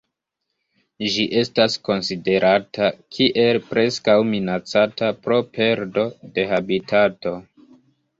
Ĝi estas konsiderata kiel Preskaŭ Minacata pro perdo de habitato.